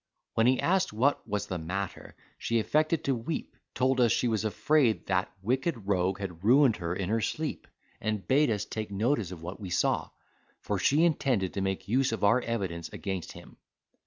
When he asked what was the matter, she affected to weep, told us she was afraid that wicked rogue had ruined her in her sleep, and bade us take notice of what we saw, for she intended to make use of our evidence against him.